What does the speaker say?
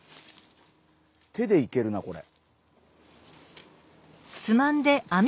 手でいけるなこれ。